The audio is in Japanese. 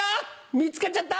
見つかっちゃった。